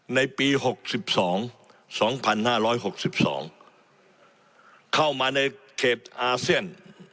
ในปี๖๒๒๕๖๒เข้ามาในเขตอาเซียน